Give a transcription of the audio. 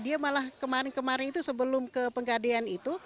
dia malah kemarin kemarin itu sebelum ke penggadean itu